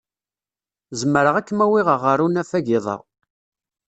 Zemreɣ ad kem-awiɣ ɣer unafag iḍ-a.